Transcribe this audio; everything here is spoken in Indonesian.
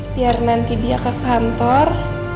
biar nanti dia ke kantor